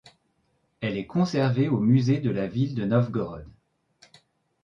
Elle est conservée au musée de la ville de Novgorod.